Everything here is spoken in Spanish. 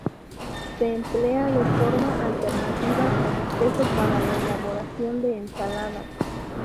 Se emplea de forma alternativa como queso para la elaboración de ensaladas.